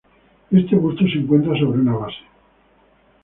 Este busto se encuentra sobre una base.